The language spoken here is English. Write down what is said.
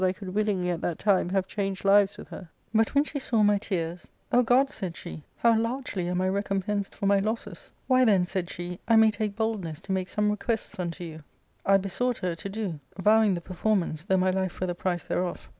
^ could willingly at that time have changed lives with her. {But when she saw my tears, * O God,' said she, * how largely am I recompensed for my losses.! why, then,' said she, * I may take boldness to make some requests unto you.*^^ 1 ARCADIA.— Book 11. 215 besought her to do, vowing the performance, though my life were the price thereof.